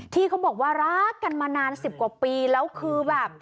ที่เขาบอกว่ารักกันมานาน๑๐กว่าปีแล้วคือแบบ